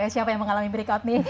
siapa yang mengalami berikut nih